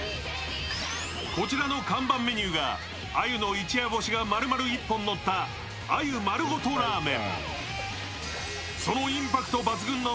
こちらの看板メニューが鮎の一夜干しがまるまる１本のった鮎マルゴトラーメン。